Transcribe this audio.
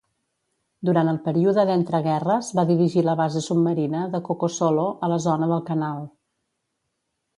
Durant el període d'entreguerres, va dirigir la base submarina de Coco Solo, a la zona del Canal.